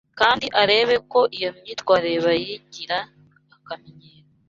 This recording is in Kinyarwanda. kandi arebe ko iyo myitwarire bayigira akamenyero.